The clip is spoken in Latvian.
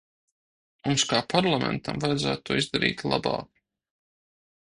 Mums kā Parlamentam vajadzētu to izdarīt labāk.